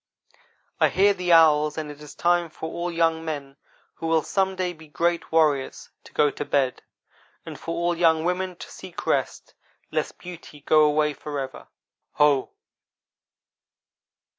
"I hear the owls, and it is time for all young men who will some day be great warriors to go to bed, and for all young women to seek rest, lest beauty go away forever. Ho!"